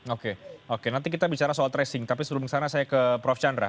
oke oke nanti kita bicara soal tracing tapi sebelum kesana saya ke prof chandra